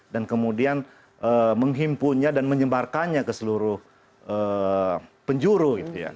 dan kemudian menghimpunya dan menyebarkannya ke seluruh penjuru